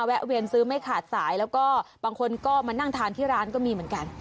เวียนซื้อไม่ขาดสายแล้วก็บางคนก็มานั่งทานที่ร้านก็มีเหมือนกัน